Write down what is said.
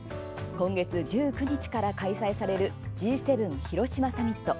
今月１９日から開催されるＧ７広島サミット。